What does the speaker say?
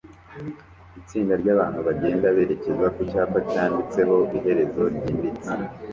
Itsinda ryabantu bagenda berekeza ku cyapa cyanditseho "Iherezo ryimbitse"